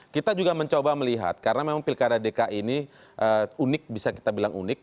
kita juga mencoba melihat karena memang pilkada dki ini unik bisa kita bilang unik